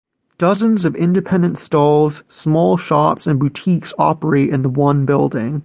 Dozens of independent stalls, small shops and boutiques operate in the one building.